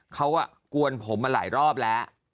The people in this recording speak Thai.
เขากวนผมมาหลายรอบแล้ว